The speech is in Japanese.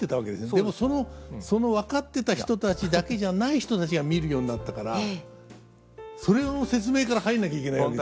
でもその分かってた人たちだけじゃない人たちが見るようになったからそれを説明から入んなきゃいけないわけですね。